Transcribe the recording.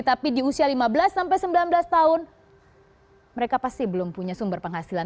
tapi di usia lima belas sampai sembilan belas tahun mereka pasti belum punya sumber penghasilan